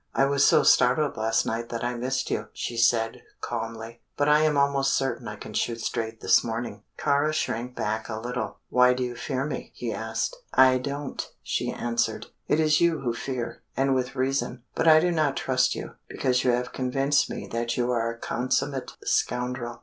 "I was so startled last night that I missed you," she said, calmly; "but I am almost certain I can shoot straight this morning." Kāra shrank back a little. "Why do you fear me?" he asked. "I don't," she answered. "It is you who fear, and with reason. But I do not trust you, because you have convinced me that you are a consummate scoundrel.